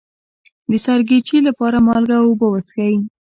د سرګیچي لپاره مالګه او اوبه وڅښئ